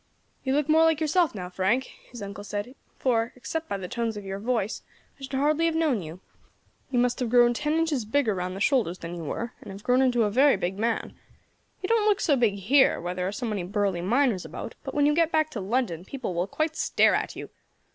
"You look more like yourself now, Frank," his uncle said, "for, except by the tones of your voice, I should hardly have known you. You must have grown ten inches bigger round the shoulders than you were, and have grown into a very big man. You don't look so big here, where there are so many burly miners about, but when you get back to London people will quite stare at you.